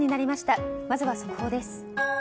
まずは速報です。